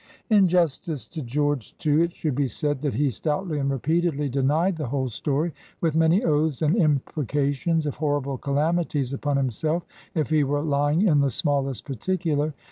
In justice to George, too, it should be said that he stoutly and repeatedly denied the whole story, with many oaths and imprecations of horrible calamities upon himself if he were lying in the smallest particular.